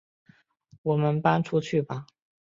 我们搬出去吧